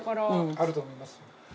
あると思います。